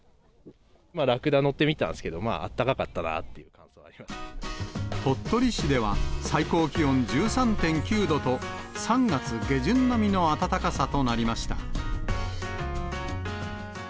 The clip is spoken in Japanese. ラクダ乗ってみたんですけど、鳥取市では、最高気温１３．９度と、３月下旬並みの暖かさとなりました。